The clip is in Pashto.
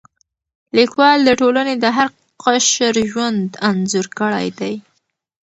لیکوال د ټولنې د هر قشر ژوند انځور کړی دی.